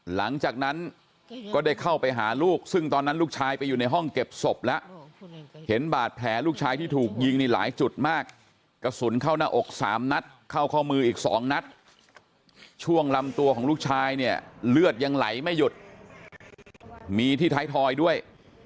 หลังจากนั้นก็ได้เข้าไปหาลูกซึ่งตอนนั้นลูกชายไปอยู่ในห้องเก็บศพแล้วเห็นบาดแผลลูกชายที่ถูกยิงนี่หลายจุดมากกระสุนเข้าหน้าอกสามนัดเข้าข้อมืออีก๒นัดช่วงลำตัวของลูกชายเนี่ยเลือดยังไหลไม่หยุดมีที่ท้ายทอยด้วย